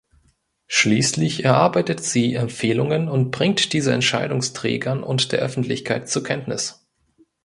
Schließlich erarbeitet sie Empfehlungen und bringt diese Entscheidungsträgern und der Öffentlichkeit zur Kenntnis.